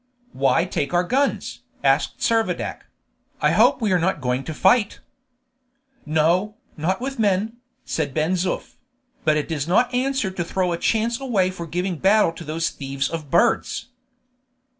"Why take our guns?" asked Servadac. "I hope we are not going to fight." "No, not with men," said Ben Zoof; "but it does not answer to throw a chance away for giving battle to those thieves of birds."